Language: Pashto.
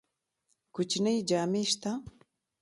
کوچنی جامی شته؟